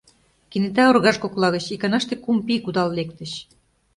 Кенета оргаж кокла гыч иканаште кум пий кудал лектыч.